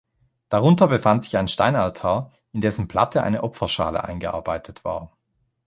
Darunter befand sich ein Steinaltar, in dessen Platte eine Opferschale eingearbeitet war.